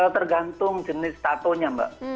tergantung jenis tato nya mbak